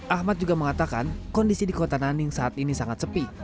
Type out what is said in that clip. ahmad juga mengatakan kondisi di kota naning saat ini sangat sepi